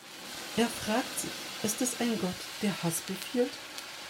Er fragt sich: "Ist das ein Gott, der Hass befiehlt?